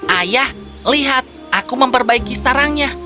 ayah lihat aku memperbaiki sarangnya